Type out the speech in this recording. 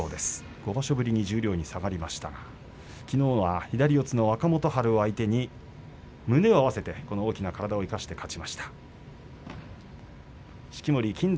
５場所ぶりに十両に下がりましたが、きのうは左四つの若元春相手に胸を合わせて大きな体を生かして勝ちました。